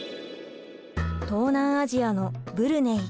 東南アジアのブルネイ。